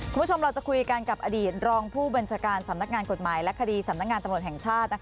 คุณผู้ชมเราจะคุยกันกับอดีตรองผู้บัญชาการสำนักงานกฎหมายและคดีสำนักงานตำรวจแห่งชาติ